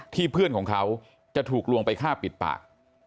เพื่อนของเขาจะถูกลวงไปฆ่าปิดปาก